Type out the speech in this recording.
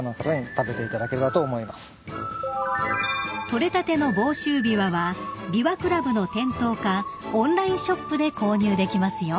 ［取れたての房州びわは枇杷倶楽部の店頭かオンラインショップで購入できますよ］